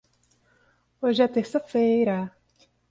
Hoje é terça-feira.